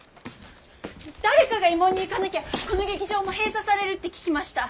誰かが慰問に行かなきゃこの劇場も閉鎖されるって聞きました。